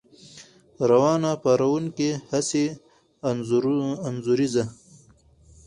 روانه، پارونکې، ، حسي، انځوريزه